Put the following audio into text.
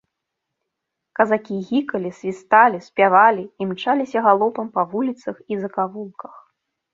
Казакі гікалі, свісталі, спявалі, імчаліся галопам па вуліцах і закавулках.